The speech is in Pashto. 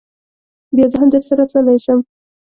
بیا زه هم درسره تللی شم.